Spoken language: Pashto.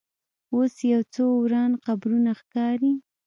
اوس یو څو وران قبرونه ښکاري.